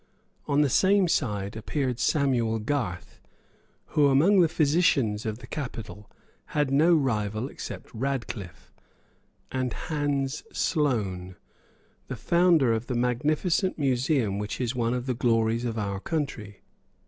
On the same side appeared Samuel Garth, who, among the physicians of the capital, had no rival except Radcliffe, and Hans Sloane, the founder of the magnificent museum which is one of the glories of our country.